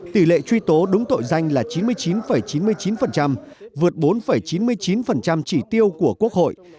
tỷ lệ truy tố đúng tội danh là chín mươi chín chín mươi chín vượt bốn chín mươi chín chỉ tiêu của quốc hội